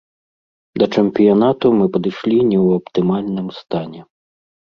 Да чэмпіянату мы падышлі не ў аптымальным стане.